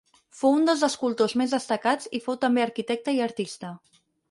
Fou un dels escultors més destacats i fou també arquitecte i artista.